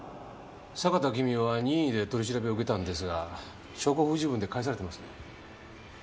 坂田公男は任意で取り調べを受けたんですが証拠不十分で帰されてますね。